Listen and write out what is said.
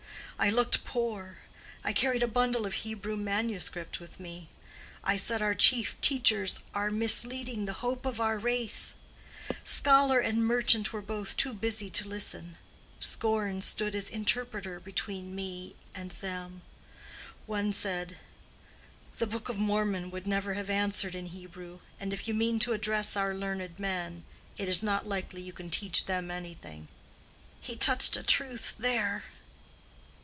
I looked poor; I carried a bundle of Hebrew manuscript with me; I said, our chief teachers are misleading the hope of our race. Scholar and merchant were both too busy to listen. Scorn stood as interpreter between me and them. One said, 'The book of Mormon would never have answered in Hebrew; and if you mean to address our learned men, it is not likely you can teach them anything.' He touched a truth there."